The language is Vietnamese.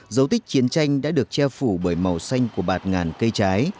dấu tích chiến tranh đã được che phủ bởi màu xanh của bạt ngàn cây trái